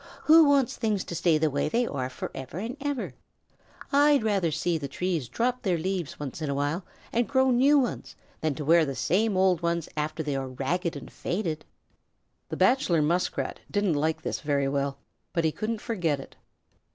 Who wants things to stay the way they are forever and ever? I'd rather see the trees drop their leaves once in a while and grow new ones than to wear the same old ones after they are ragged and faded." The Bachelor Muskrat didn't like this very well, but he couldn't forget it.